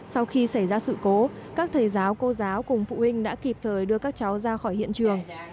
sau khi xảy ra sự cố các thầy giáo cô giáo cùng phụ huynh đã kịp thời đưa các cháu ra khỏi hiện trường